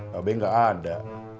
tapi gak ada